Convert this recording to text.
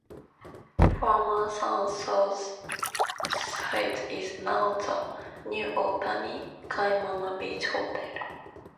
The former Sans Souci site is now the New Otani Kaimana Beach Hotel.